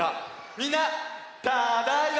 みんなただいま！